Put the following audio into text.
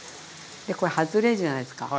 でこれ外れるじゃないですか。